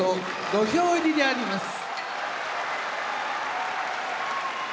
土俵入りであります。